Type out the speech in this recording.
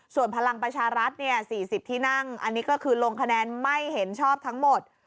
ส่วนพลังประชารัฐ๔๐ที่นั่งอันนี้ก็คือลงคะแนนไม่เห็นชอบทั้งหมด